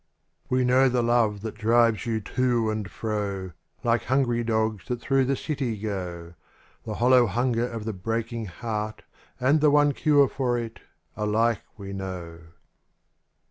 kE know the love that drives you to and fro. Like hungry dogs that through the city go. The hollow hunger of the breaking heart. And the one cure for it, alike we know.